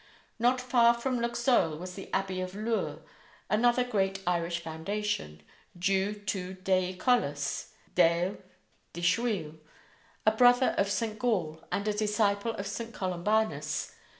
Not far from Luxeuil was the Abbey of Lure, another great Irish foundation, due to Deicolus (Desle, Dichuill), a brother of St. Gall and a disciple of St. Columbanus.